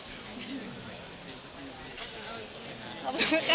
ขอบคุณค่ะ